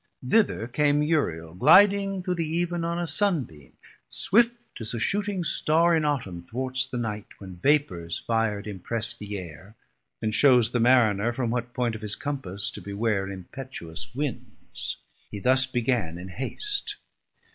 Thither came Uriel, gliding through the Eeven On a Sun beam, swift as a shooting Starr In Autumn thwarts the night, when vapors fir'd Impress the Air, and shews the Mariner From what point of his Compass to beware Impetuous winds: he thus began in haste.